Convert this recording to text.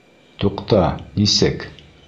Туҡта, нисек?